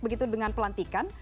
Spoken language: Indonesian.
begitu dengan pelantikan